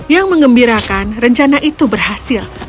yang mengembirakan rencana itu berhasil